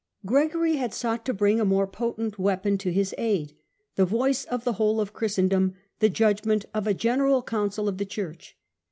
Gregory had sought to bring a more potent weapon to his aid, the voice of the whole of Christendom, the judgment of a General Council of the Church.